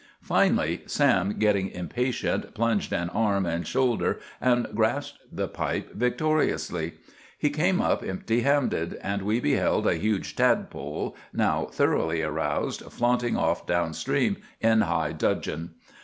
Finally Sam, getting impatient, plunged in arm and shoulder, and grasped the pipe victoriously. He came up empty handed; and we beheld a huge tadpole, now thoroughly aroused, flaunting off down stream in high dudgeon.